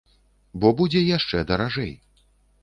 Бо будзе яшчэ даражэй.